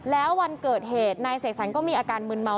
แล้ววันเกิดเหตุนายเสกสรรก็มีอาการมืนเมา